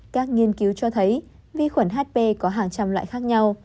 các nghiên cứu cho thấy vi khuẩn hp có hàng trăm loại khác nhau